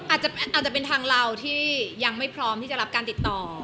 อาจจะเป็นทางเราที่ยังไม่พร้อมที่จะรับการติดต่อ